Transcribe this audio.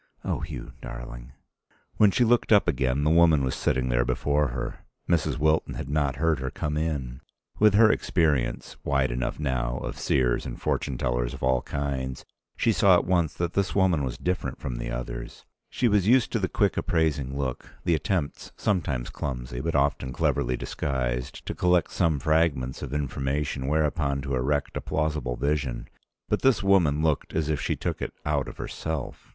... "Oh, Hugh, darling!" When she looked up again the woman was sitting there before her. Mrs. Wilton had not heard her come in. With her experience, wide enough now, of seers and fortune tellers of all kinds, she saw at once that this woman was different from the others. She was used to the quick appraising look, the attempts, sometimes clumsy, but often cleverly disguised, to collect some fragments of information whereupon to erect a plausible vision. But this woman looked as if she took it out of herself.